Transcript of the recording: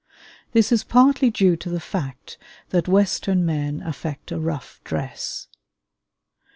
This is partly due to the fact that Western men affect a rough dress.